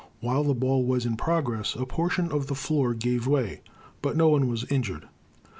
While the ball was in progress, a portion of the floor gave way, but no one was injured.